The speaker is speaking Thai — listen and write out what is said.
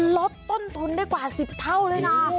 ลดต้นทุนได้กว่า๑๐เท่าเลยนะ